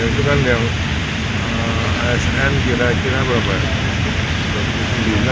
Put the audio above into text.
itu kan yang asn kira kira berapa